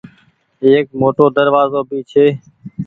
ايڪ موٽو دروآزو ڀي ڇي ۔